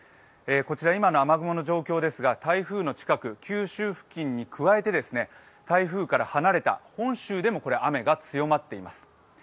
こちら今の雨雲の状況ですが台風の近く、九州付近に加えて台風から離れた本州でも雨が強まっています。